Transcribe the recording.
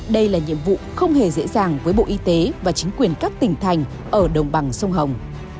đây là nhiệm vụ không hề dễ dàng với bộ y tế và chính quyền các tỉnh thành ở đồng bằng sông hồng